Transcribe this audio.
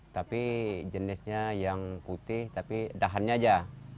tapi jenisnya yang putih tapi dahannya aja